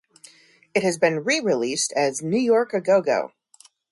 It has been re-released as "New York A Go Go,".